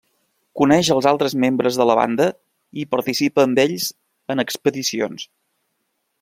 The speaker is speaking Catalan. Coneix els altres membres de la banda i participa amb ells en expedicions.